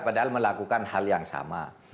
padahal melakukan hal yang sama